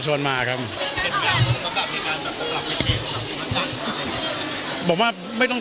หรือว่าไม่ค่อย